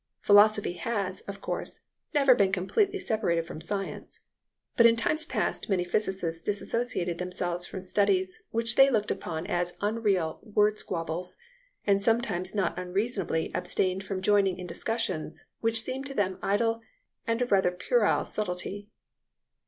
Philosophy has, of course, never been completely separated from science; but in times past many physicists dissociated themselves from studies which they looked upon as unreal word squabbles, and sometimes not unreasonably abstained from joining in discussions which seemed to them idle and of rather puerile subtlety.